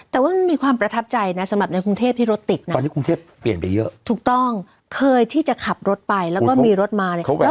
แต่ว่ามันมีความประทับใจนะสำหรับในกรุงเทพที่รถติดนะ